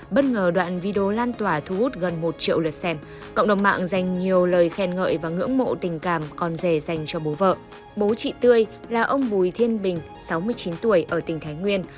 bố chị tươi là ông bùi thiên bình sáu mươi chín tuổi ở tỉnh thái nguyên